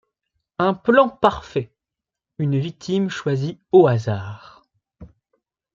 Un plan parfait, une victime choisie au hasard.